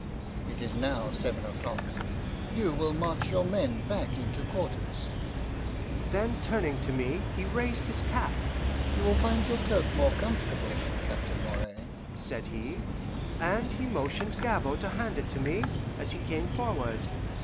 It is now seven o'clock; you will march your men back into quarters." Then turning to me, he raised his cap. "You will find your cloak more comfortable, Captain Moray," said he, and he motioned Gabord to hand it to me, as he came forward.